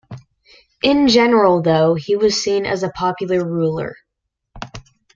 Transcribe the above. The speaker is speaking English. In general, though, he was seen as a popular ruler.